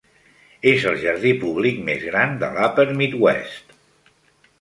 És el jardí public més gran de l'Upper Midwest.